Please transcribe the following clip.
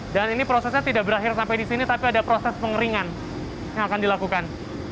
dan ini prosesnya tidak berakhir sampai di sini tapi ada proses pengeringan yang akan dilakukan